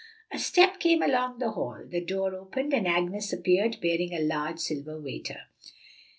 A step came along the hall, the door opened, and Agnes appeared bearing a large silver waiter.